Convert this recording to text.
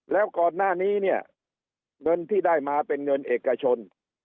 แล้วก่อนหน้านี้เนี่ยเงินที่ได้มาเป็นเงินเอกชน